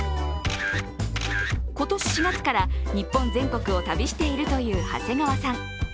今年４月から日本全国を旅しているという長谷川さん。